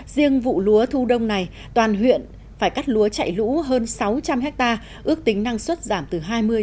riêng vụ lúa thu đông này toàn huyện phải cắt lúa chạy lũ hơn sáu trăm linh hectare ước tính năng suất giảm từ hai mươi ba mươi